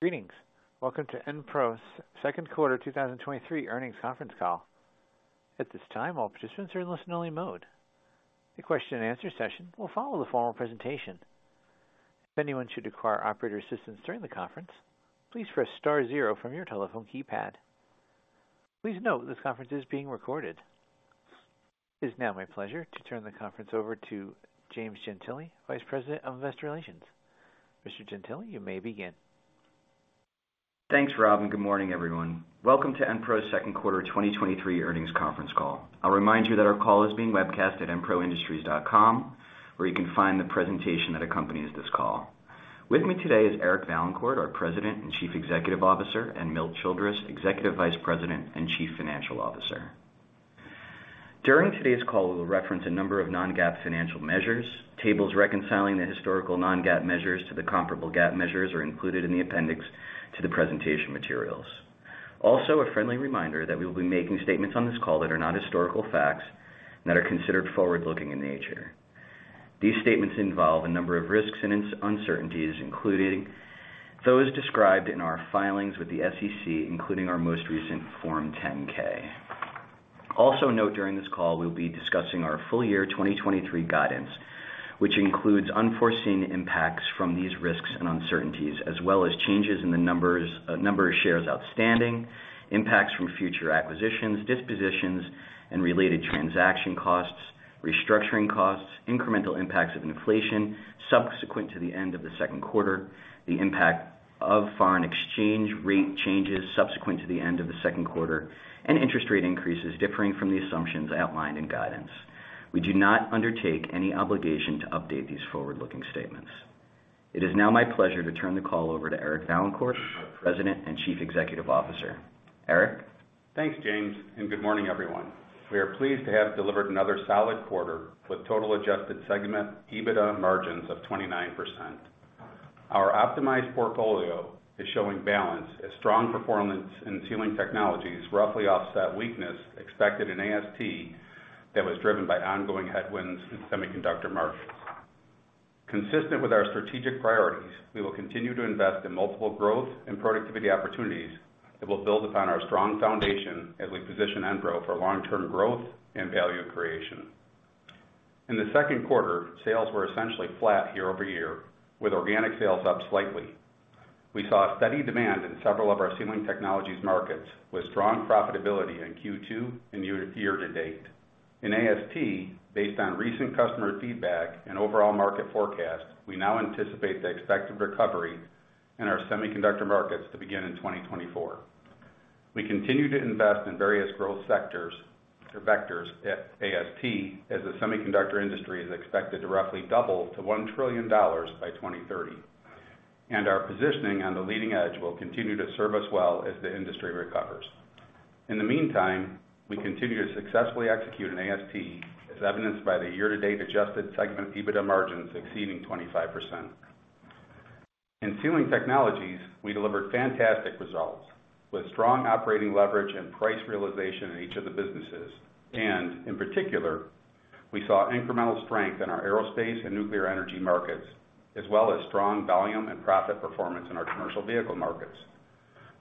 Greetings! Welcome to EnPro's Second Quarter 2023 Earnings Conference Call. At this time, all participants are in listen-only mode. A question and answer session will follow the formal presentation. If anyone should require operator assistance during the conference, please press star zero from your telephone keypad. Please note, this conference is being recorded. It is now my pleasure to turn the conference over to James Gentile, Vice President of Investor Relations. Mr. Gentile, you may begin. Thanks, Rob. Good morning, everyone. Welcome to EnPro's second quarter 2023 earnings conference call. I'll remind you that our call is being webcast at enproindustries.com, where you can find the presentation that accompanies this call. With me today is Eric Vaillancourt, our President and Chief Executive Officer, and Milt Childress, Executive Vice President and Chief Financial Officer. During today's call, we will reference a number of non-GAAP financial measures. Tables reconciling the historical non-GAAP measures to the comparable GAAP measures are included in the appendix to the presentation materials. A friendly reminder that we will be making statements on this call that are not historical facts, and that are considered forward-looking in nature. These statements involve a number of risks and uncertainties, including those described in our filings with the SEC, including our most recent Form 10-K. Also note, during this call, we'll be discussing our full year 2023 guidance, which includes unforeseen impacts from these risks and uncertainties, as well as changes in the numbers, number of shares outstanding, impacts from future acquisitions, dispositions, and related transaction costs, restructuring costs, incremental impacts of inflation subsequent to the end of the second quarter, the impact of foreign exchange rate changes subsequent to the end of the second quarter, and interest rate increases differing from the assumptions outlined in guidance. We do not undertake any obligation to update these forward-looking statements. It is now my pleasure to turn the call over to Eric Vaillancourt, President and Chief Executive Officer. Eric? Thanks, James, good morning, everyone. We are pleased to have delivered another solid quarter, with total adjusted segment EBITDA margins of 29%. Our optimized portfolio is showing balance, as strong performance in Sealing Technologies roughly offset weakness expected in AST that was driven by ongoing headwinds in semiconductor markets. Consistent with our strategic priorities, we will continue to invest in multiple growth and productivity opportunities that will build upon our strong foundation as we position Enpro for long-term growth and value creation. In the second quarter, sales were essentially flat year-over-year, with organic sales up slightly. We saw steady demand in several of our Sealing Technologies markets, with strong profitability in Q2 and year-to-date. In AST, based on recent customer feedback and overall market forecast, we now anticipate the expected recovery in our semiconductor markets to begin in 2024. We continue to invest in various growth sectors or vectors at AST, as the semiconductor industry is expected to roughly double to $1 trillion by 2030, and our positioning on the leading edge will continue to serve us well as the industry recovers. In the meantime, we continue to successfully execute in AST, as evidenced by the year-to-date adjusted segment EBITDA margins exceeding 25%. In Sealing Technologies, we delivered fantastic results, with strong operating leverage and price realization in each of the businesses. In particular, we saw incremental strength in our aerospace and nuclear energy markets, as well as strong volume and profit performance in our commercial vehicle markets.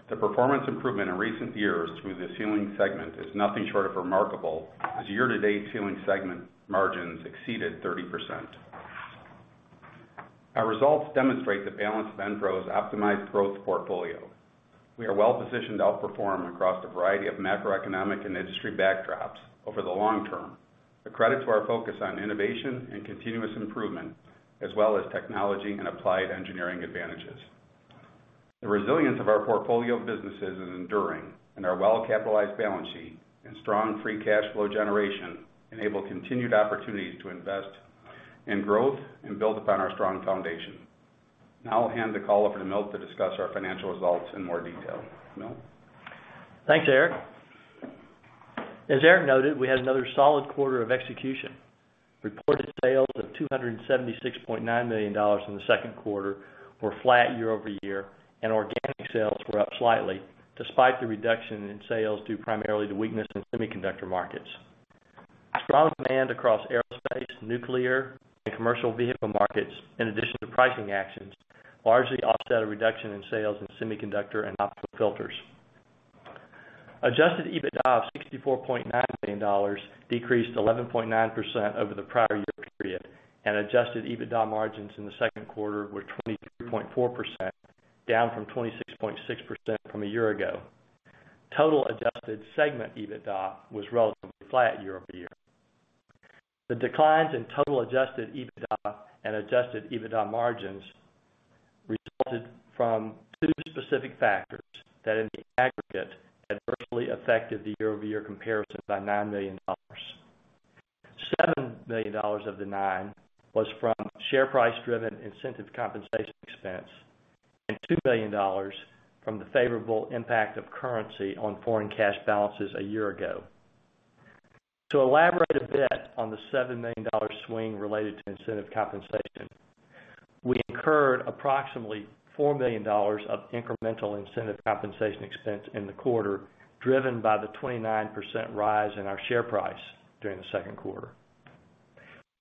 The performance improvement in recent years through the Sealing segment is nothing short of remarkable, as year-to-date Sealing segment margins exceeded 30%. Our results demonstrate the balance of EnPro's optimized growth portfolio. We are well-positioned to outperform across a variety of macroeconomic and industry backdrops over the long term. A credit to our focus on innovation and continuous improvement, as well as technology and applied engineering advantages. The resilience of our portfolio of businesses is enduring, and our well-capitalized balance sheet and strong free cash flow generation enable continued opportunities to invest in growth and build upon our strong foundation. Now I'll hand the call over to Milt to discuss our financial results in more detail. Milt? Thanks, Eric. As Eric noted, we had another solid quarter of execution. Reported sales of $276.9 million in the second quarter were flat year-over-year. Organic sales were up slightly, despite the reduction in sales, due primarily to weakness in semiconductor markets. Strong demand across aerospace, nuclear, and commercial vehicle markets, in addition to pricing actions, largely offset a reduction in sales in semiconductor and optical filters. Adjusted EBITDA of $64.9 million decreased 11.9% over the prior year period. Adjusted EBITDA margins in the second quarter were 22.4%, down from 26.6% from a year ago. Total adjusted segment EBITDA was relatively flat year-over-year. The declines in total Adjusted EBITDA and Adjusted EBITDA margins resulted from two specific factors that, in the aggregate, adversely affected the year-over-year comparison by $9 million. $7 million of the 9 was from share price-driven incentive compensation expense, and $2 million from the favorable impact of currency on foreign cash balances a year ago. To elaborate a bit on the $7 million swing related to incentive compensation, we incurred approximately $4 million of incremental incentive compensation expense in the quarter, driven by the 29% rise in our share price during the second quarter.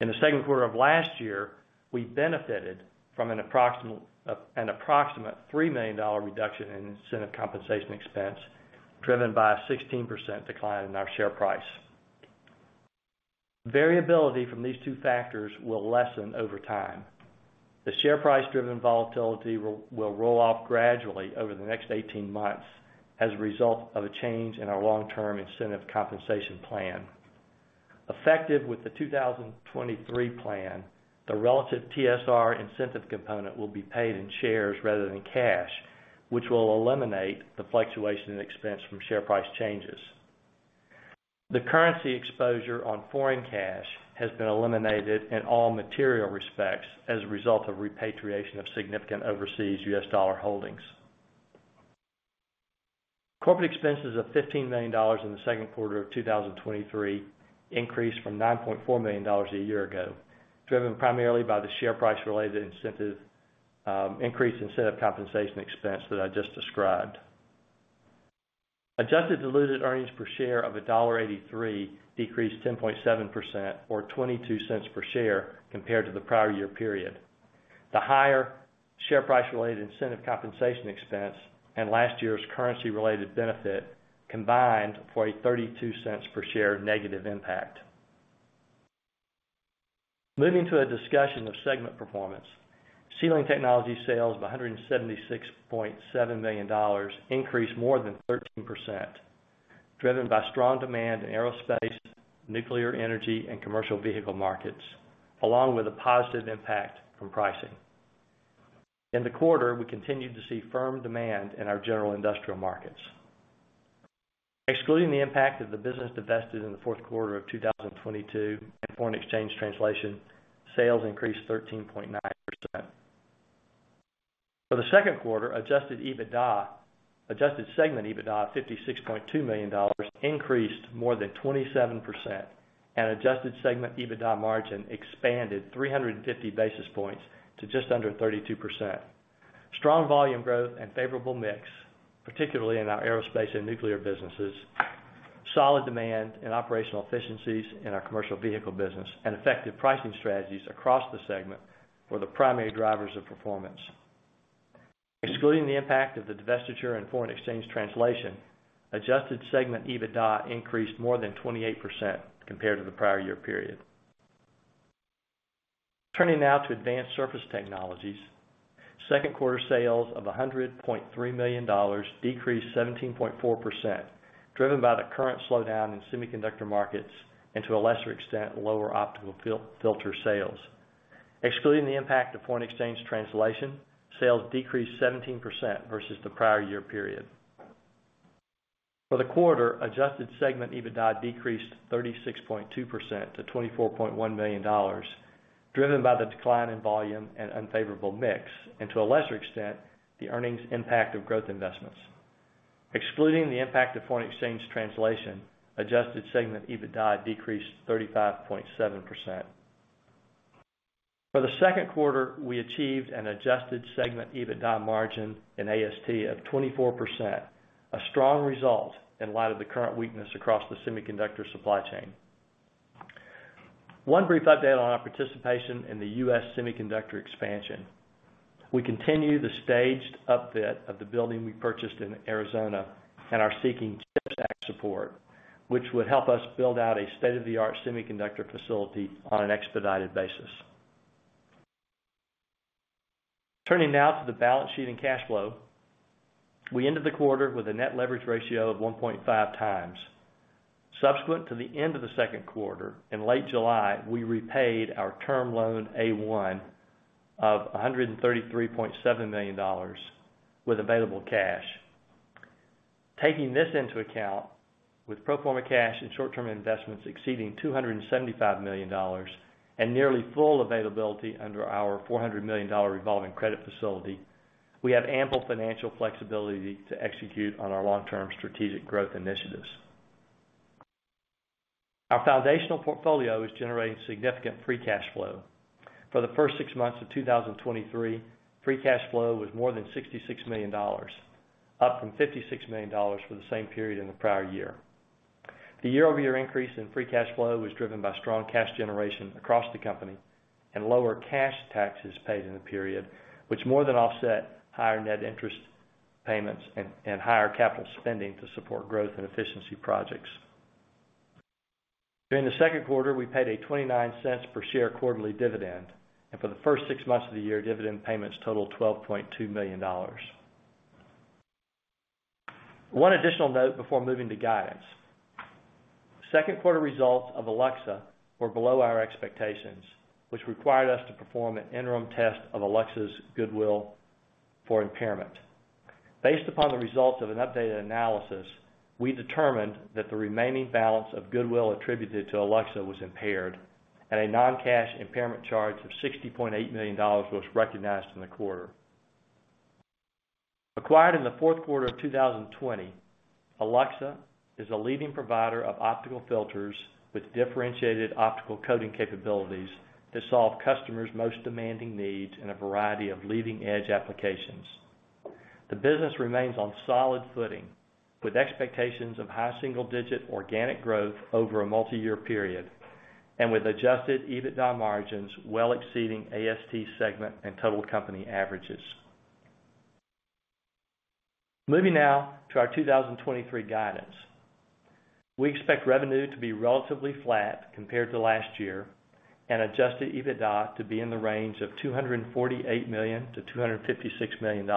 In the second quarter of last year, we benefited from an approximate $3 million reduction in incentive compensation expense, driven by a 16% decline in our share price. Variability from these two factors will lessen over time. The share price-driven volatility will, will roll off gradually over the next 18 months as a result of a change in our long-term incentive compensation plan. Effective with the 2023 plan, the relative TSR incentive component will be paid in shares rather than in cash, which will eliminate the fluctuation in expense from share price changes. The currency exposure on foreign cash has been eliminated in all material respects as a result of repatriation of significant overseas U.S dollar holdings. Corporate expenses of $15 million in the second quarter of 2023 increased from $9.4 million a year ago, driven primarily by the share price-related incentive increase in set of compensation expense that I just described. Adjusted diluted earnings per share of $1.83 decreased 10.7% or $0.22 per share compared to the prior year period. The higher share price-related incentive compensation expense and last year's currency-related benefit combined for a $0.32 per share negative impact. Moving to a discussion of segment performance. Sealing Technologies sales of $176.7 million increased more than 13%, driven by strong demand in aerospace, nuclear energy, and commercial vehicle markets, along with a positive impact from pricing. In the quarter, we continued to see firm demand in our general industrial markets. Excluding the impact of the business divested in the fourth quarter of 2022 and foreign exchange translation, sales increased 13.9%. For the second quarter, Adjusted EBITDA, adjusted segment EBITDA of $56.2 million increased more than 27%, and adjusted segment EBITDA margin expanded 350 basis points to just under 32%. Strong volume growth and favorable mix, particularly in our aerospace and nuclear businesses, solid demand and operational efficiencies in our commercial vehicle business, and effective pricing strategies across the segment were the primary drivers of performance. Excluding the impact of the divestiture and foreign exchange translation, adjusted segment EBITDA increased more than 28% compared to the prior year period. Turning now to Advanced Surface Technologies. Second quarter sales of $100.3 million decreased 17.4%, driven by the current slowdown in semiconductor markets and, to a lesser extent, lower optical filter sales. Excluding the impact of foreign exchange translation, sales decreased 17% versus the prior year period. For the quarter, adjusted segment EBITDA decreased 36.2% to $24.1 million, driven by the decline in volume and unfavorable mix, and to a lesser extent, the earnings impact of growth investments. Excluding the impact of foreign exchange translation, adjusted segment EBITDA decreased 35.7%. For the second quarter, we achieved an adjusted segment EBITDA margin in AST of 24%, a strong result in light of the current weakness across the semiconductor supply chain. One brief update on our participation in the U.S. semiconductor expansion. We continue the staged upfit of the building we purchased in Arizona and are seeking CHIPS Act support, which would help us build out a state-of-the-art semiconductor facility on an expedited basis. Turning now to the balance sheet and cash flow. We ended the quarter with a net leverage ratio of 1.5x. Subsequent to the end of the second quarter, in late July, we repaid our Term Loan A-1, of $133.7 million with available cash. Taking this into account, with pro forma cash and short-term investments exceeding $275 million, and nearly full availability under our $400 million revolving credit facility, we have ample financial flexibility to execute on our long-term strategic growth initiatives. Our foundational portfolio is generating significant free cash flow. For the first six months of 2023, free cash flow was more than $66 million, up from $56 million for the same period in the prior year. The year-over-year increase in free cash flow was driven by strong cash generation across the company and lower cash taxes paid in the period, which more than offset higher net interest payments and higher capital spending to support growth and efficiency projects. During the second quarter, we paid a $0.29 per share quarterly dividend, and for the first six months of the year, dividend payments totaled $12.2 million. One additional note before moving to guidance. Second quarter results of Alluxa were below our expectations, which required us to perform an interim test of Alluxa's goodwill for impairment. Based upon the results of an updated analysis, we determined that the remaining balance of goodwill attributed to Alluxa was impaired, and a non-cash impairment charge of $60.8 million was recognized in the quarter. Acquired in the 4th quarter of 2020, Alluxa is a leading provider of optical filters with differentiated optical coating capabilities to solve customers' most demanding needs in a variety of leading-edge applications. The business remains on solid footing, with expectations of high single-digit organic growth over a multi-year period, and with Adjusted EBITDA margins well exceeding AST segment and total company averages. Moving now to our 2023 guidance. We expect revenue to be relatively flat compared to last year, and Adjusted EBITDA to be in the range of $248 million-$256 million.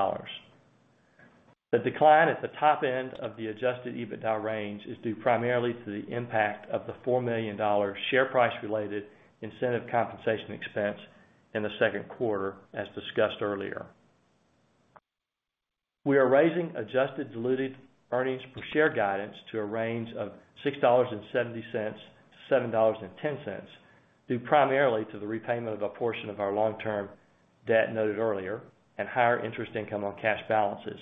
The decline at the top end of the Adjusted EBITDA range is due primarily to the impact of the $4 million share price related incentive compensation expense in the second quarter, as discussed earlier. We are raising adjusted diluted earnings per share guidance to a range of $6.70-$7.10, due primarily to the repayment of a portion of our long-term debt noted earlier and higher interest income on cash balances.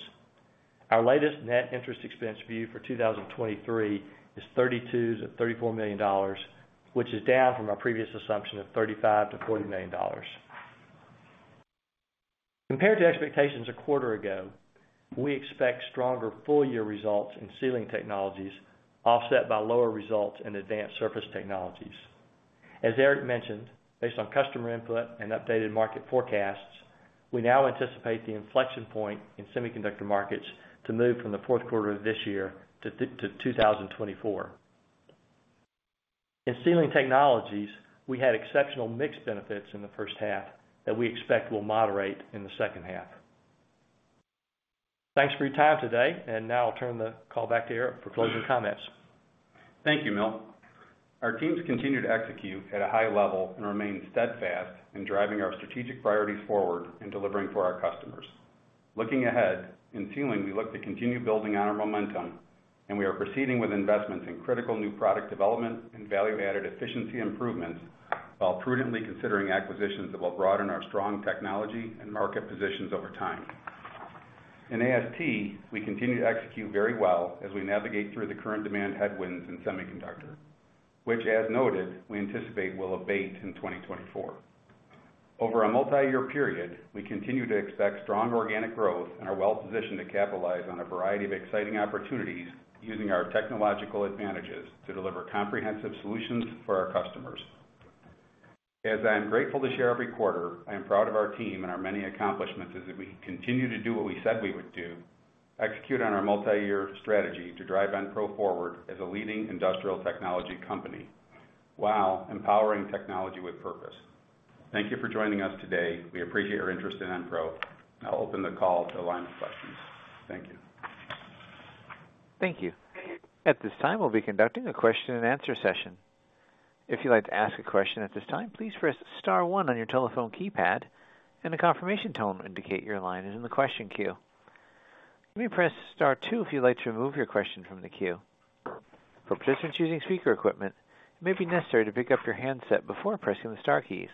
Our latest net interest expense view for 2023 is $32 million-$34 million, which is down from our previous assumption of $35 million-$40 million. Compared to expectations a quarter ago, we expect stronger full-year results in Sealing Technologies, offset by lower results in Advanced Surface Technologies. As Eric mentioned, based on customer input and updated market forecasts, we now anticipate the inflection point in semiconductor markets to move from the fourth quarter of this year to 2024. In Sealing Technologies, we had exceptional mix benefits in the first half that we expect will moderate in the second half. Thanks for your time today. Now I'll turn the call back to Eric for closing comments. Thank you, Milt. Our teams continue to execute at a high level and remain steadfast in driving our strategic priorities forward in delivering for our customers. Looking ahead, in Sealing, we look to continue building on our momentum. We are proceeding with investments in critical new product development and value-added efficiency improvements, while prudently considering acquisitions that will broaden our strong technology and market positions over time. In AST, we continue to execute very well as we navigate through the current demand headwinds in Semiconductor, which, as noted, we anticipate will abate in 2024. Over a multi-year period, we continue to expect strong organic growth and are well positioned to capitalize on a variety of exciting opportunities using our technological advantages to deliver comprehensive solutions for our customers. As I am grateful to share every quarter, I am proud of our team and our many accomplishments as we continue to do what we said we would do, execute on our multi-year strategy to drive EnPro forward as a leading industrial technology company, while empowering technology with purpose. Thank you for joining us today. We appreciate your interest in EnPro. I'll open the call to line of questions. Thank you. Thank you. At this time, we'll be conducting a question and answer session. If you'd like to ask a question at this time, please press star one on your telephone keypad, and a confirmation tone will indicate your line is in the question queue. You may press star two if you'd like to remove your question from the queue. For participants using speaker equipment, it may be necessary to pick up your handset before pressing the star keys.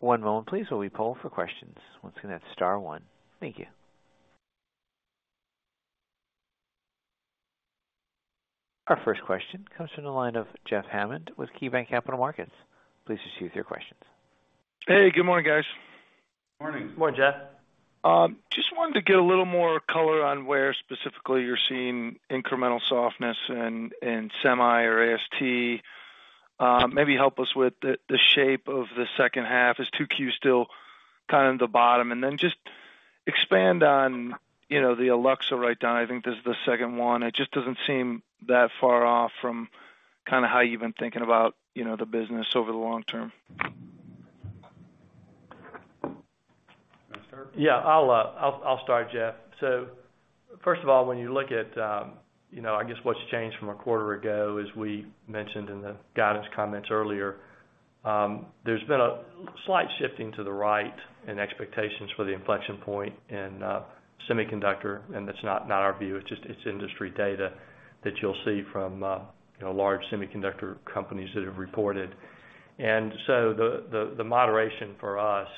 One moment, please, while we poll for questions. Once again, that's star one. Thank you. Our first question comes from the line of Jeff Hammond with KeyBanc Capital Markets. Please proceed with your questions. Hey, good morning, guys. Morning. Good morning, Jeff. Just wanted to get a little more color on where specifically you're seeing incremental softness in, in Semi or AST. Maybe help us with the, the shape of the second half. Is 2Q still kind of the bottom? Then just expand on, you know, the Alluxa write-down. I think this is the second one. It just doesn't seem that far off from kind of how you've been thinking about, you know, the business over the long term. You want to start? Yeah, I'll start, Jeff. First of all, when you look at, you know, I guess what's changed from a quarter ago, as we mentioned in the guidance comments earlier, there's been a slight shifting to the right in expectations for the inflection point in semiconductor, and that's not, not our view, it's just, it's industry data that you'll see from, you know, large semiconductor companies that have reported. The moderation for us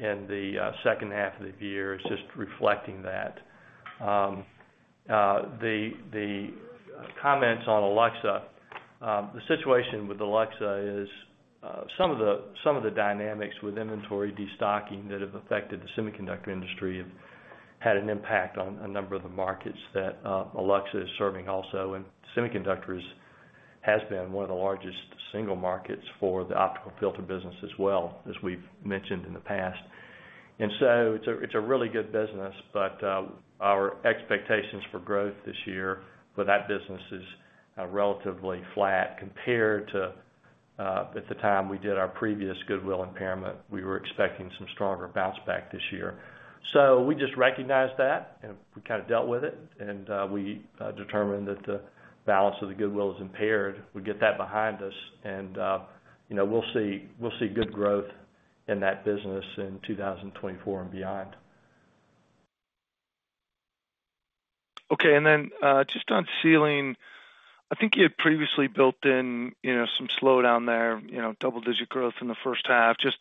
in the second half of the year is just reflecting that. The comments on Alluxa. The situation with Alluxa is some of the, some of the dynamics with inventory destocking that have affected the semiconductor industry have had an impact on a number of the markets that Alluxa is serving also. Semiconductors has been one of the largest single markets for the optical filter business as well, as we've mentioned in the past. It's a, it's a really good business, but our expectations for growth this year for that business is relatively flat compared to at the time we did our previous goodwill impairment. We were expecting some stronger bounce back this year. We just recognized that, we kind of dealt with it, we determined that the balance of the goodwill is impaired. We get that behind us, and, you know, we'll see, we'll see good growth in that business in 2024 and beyond. Okay. Just on Sealing, I think you had previously built in, you know, some slowdown there, you know, double-digit growth in the first half. Just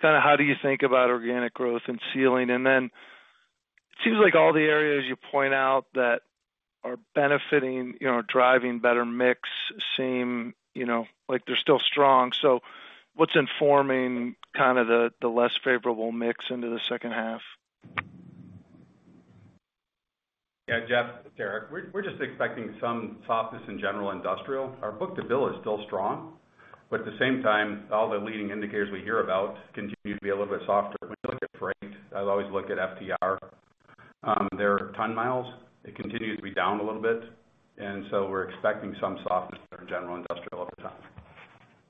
kind of how do you think about organic growth and Sealing? It seems like all the areas you point out that-... are benefiting, you know, driving better mix seem, you know, like they're still strong. What's informing kind of the, the less favorable mix into the second half? Yeah, Jeff, it's Eric. We're, we're just expecting some softness in general industrial. Our book-to-bill is still strong, but at the same time, all the leading indicators we hear about continue to be a little bit softer. When you look at freight, I always look at FTR, their ton miles, it continues to be down a little bit, and so we're expecting some softness in our general industrial over time.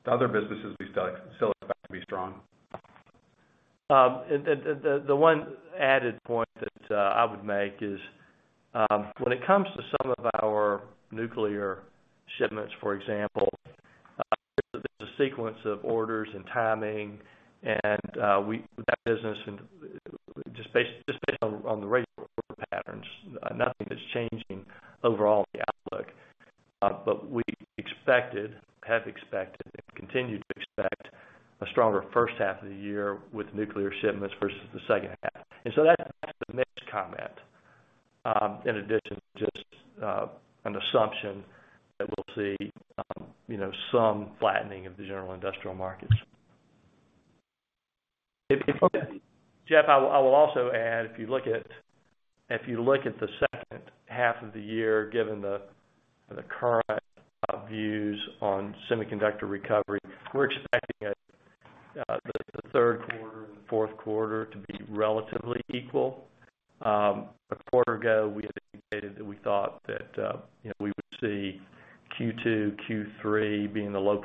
The other businesses, we still, still expect to be strong. The one added point that I would make is when it comes to some of our nuclear shipments, for example, there's a sequence of orders and timing, and that business and just based on, on the regular order patterns, nothing is changing overall in the outlook. We expected, have expected, and continue to expect a stronger first half of the year with nuclear shipments versus the second half. That's the next comment, in addition to just an assumption that we'll see, you know, some flattening of the general industrial markets. Jeff Hammond, I will, I will also add, if you look at, if you look at the second half of the year, given the current views on semiconductor recovery, we're expecting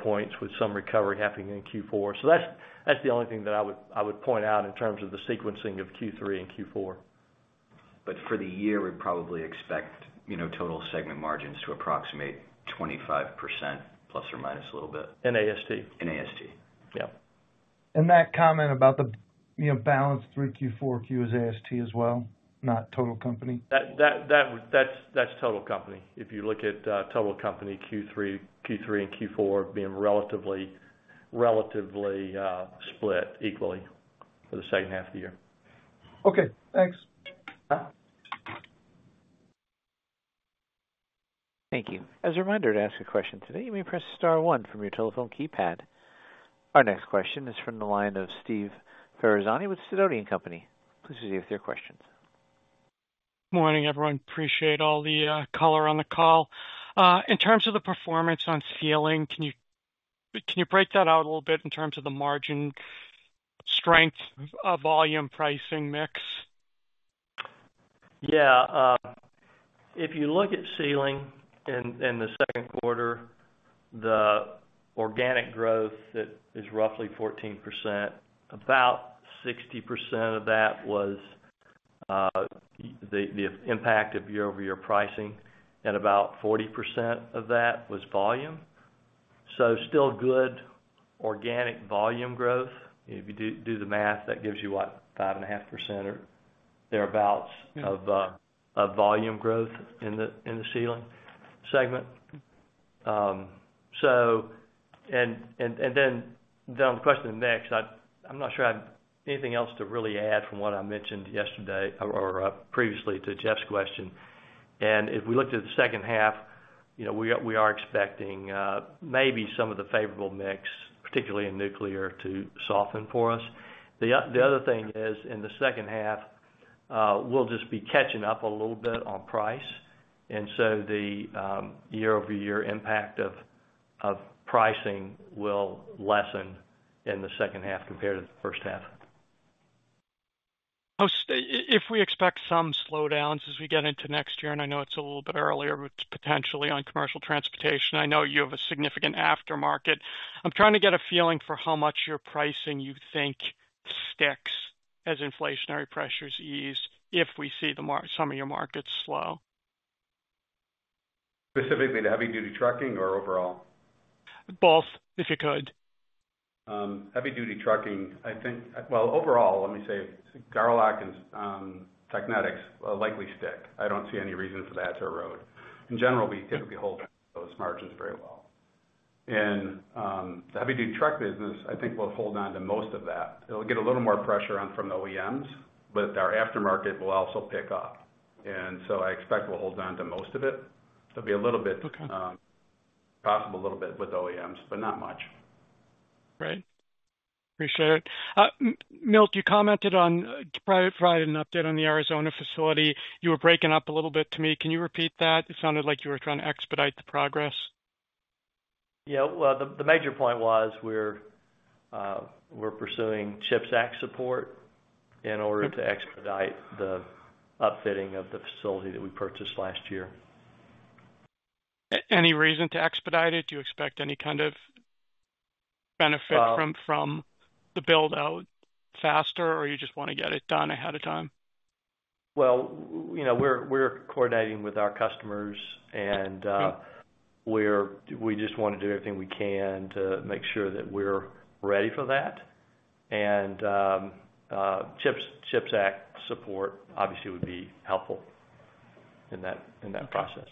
it, the third quarter and fourth quarter to be relatively equal. A quarter ago, we indicated that we thought that, you know, we would see Q2, Q3 being the low points with some recovery happening in Q4. That's, that's the only thing that I would, I would point out in terms of the sequencing of Q3 and Q4. For the year, we'd probably expect, you know, total segment margins to approximate 25% ± a little bit. In AST? In AST, yeah. That comment about the, you know, balance through Q4, is AST as well, not total company? That's total company. If you look at total company, Q3, Q3 and Q4 being relatively, relatively split equally for the second half of the year. Okay, thanks. Yeah. Thank you. As a reminder, to ask a question today, you may press star one from your telephone keypad. Our next question is from the line of Steve Ferazani with Sidoti & Company. Please proceed with your questions. Morning, everyone. Appreciate all the color on the call. In terms of the performance on Sealing Technologies, can you, can you break that out a little bit in terms of the margin strength, of volume pricing mix? Yeah, if you look at Sealing in, in the second quarter, the organic growth is, is roughly 14%. About 60% of that was, the, the impact of year-over-year pricing, and about 40% of that was volume. Still good organic volume growth. If you do, do the math, that gives you what? 5.5% or thereabouts of, of volume growth in the, in the Sealing segment. Then the question of mix, I, I'm not sure I have anything else to really add from what I mentioned yesterday or, previously to Jeff's question. If we looked at the second half, you know, we are, we are expecting, maybe some of the favorable mix, particularly in nuclear, to soften for us. The other thing is, in the second half, we'll just be catching up a little bit on price, and so the year-over-year impact of, of pricing will lessen in the second half compared to the first half. Oh, if we expect some slowdowns as we get into next year, and I know it's a little bit earlier, but potentially on commercial transportation, I know you have a significant aftermarket. I'm trying to get a feeling for how much your pricing you think sticks as inflationary pressures ease if we see the markets slow? Specifically, the heavy-duty trucking or overall? Both, if you could. heavy-duty trucking, I think, well, overall, let me say Garlock and Technetics will likely stick. I don't see any reason for that to erode. In general, we typically hold those margins very well. The heavy-duty truck business, I think we'll hold on to most of that. It'll get a little more pressure on from the OEMs, but our aftermarket will also pick up, and so I expect we'll hold on to most of it. It'll be a little bit. Okay. Possible a little bit with OEMs, but not much. Great. Appreciate it. Milt, you commented on private Friday, an update on the Arizona facility. You were breaking up a little bit to me. Can you repeat that? It sounded like you were trying to expedite the progress. Yeah, well, the, the major point was, we're, we're pursuing CHIPS Act support in order to expedite the upfitting of the facility that we purchased last year. Any reason to expedite it? Do you expect any kind of benefit from the build-out faster, or you just want to get it done ahead of time? Well, we know, we're, we're coordinating with our customers, and we're we just want to do everything we can to make sure that we're ready for that. CHIPS, CHIPS Act support obviously would be helpful in that, in that process.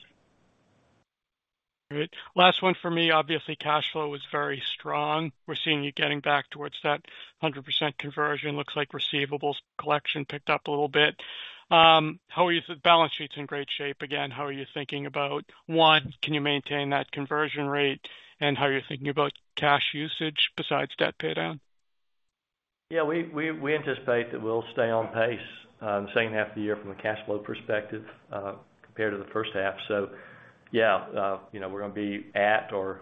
Great. Last one for me, obviously, cash flow was very strong. We're seeing you getting back towards that 100% conversion. Looks like receivables collection picked up a little bit. Balance sheet's in great shape again, how are you thinking about, one, can you maintain that conversion rate, and how are you thinking about cash usage besides debt paydown? Yeah, we, we, we anticipate that we'll stay on pace in the same half of the year from a cash flow perspective compared to the first half. Yeah, you know, we're gonna be at, or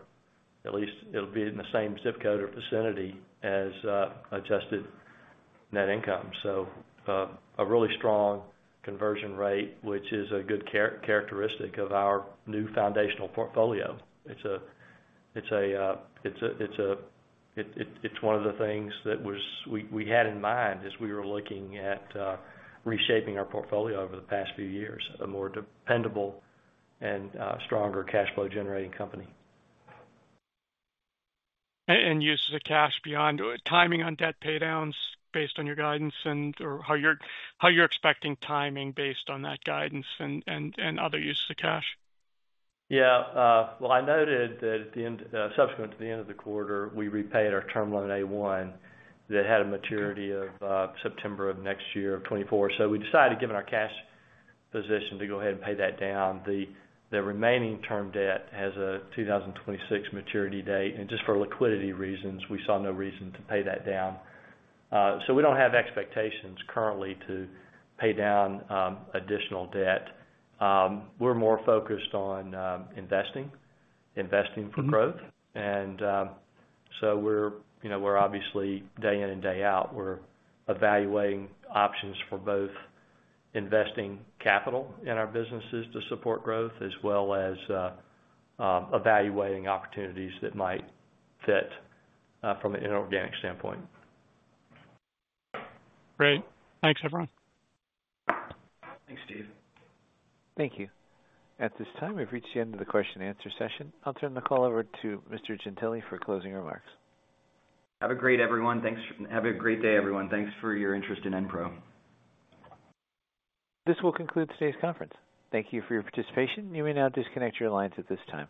at least it'll be in the same zip code or vicinity as adjusted net income. A really strong conversion rate, which is a good characteristic of our new foundational portfolio. It's one of the things we had in mind as we were looking at reshaping our portfolio over the past few years, a more dependable and stronger cash flow generating company. uses of cash beyond timing on debt paydowns based on your guidance and, or how you're, how you're expecting timing based on that guidance and, and, and other uses of cash? Yeah, well, I noted that at the end, subsequent to the end of the quarter, we repaid our Term Loan A-1, that had a maturity of September of next year, 2024. We decided, given our cash position, to go ahead and pay that down. The remaining term debt has a 2026 maturity date, and just for liquidity reasons, we saw no reason to pay that down. We don't have expectations currently to pay down additional debt. We're more focused on investing, investing for growth. Mm-hmm. We're, you know, we're obviously, day in and day out, we're evaluating options for both investing capital in our businesses to support growth, as well as, evaluating opportunities that might fit from an inorganic standpoint. Great. Thanks, everyone. Thanks, Steve. Thank you. At this time, we've reached the end of the question and answer session. I'll turn the call over to Mr. Gentile for closing remarks. Have a great, everyone. Thanks. Have a great day, everyone. Thanks for your interest in EnPro. This will conclude today's conference. Thank you for your participation. You may now disconnect your lines at this time.